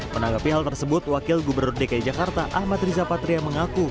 menanggapi hal tersebut wakil gubernur dki jakarta ahmad riza patria mengaku